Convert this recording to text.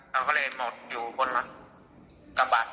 เราก็เลยหมดอยู่บนกลับบ้าน